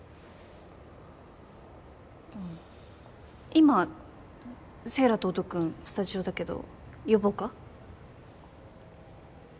今セイラと音くんスタジオだけど呼ぼうか？